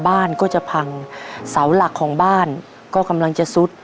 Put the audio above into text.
บ้านก็จะพังเสาหลักของบ้านก็กำลังจะซุด